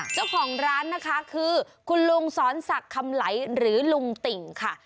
เจ้าของร้านนะคะคือคุณลุงสอนศักดิ์คำไหลหรือลุงติ่งค่ะ